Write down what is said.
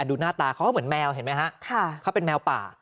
ดูหน้าตาเขาก็เหมือนแมวเห็นไหมฮะเขาเป็นแมวป่า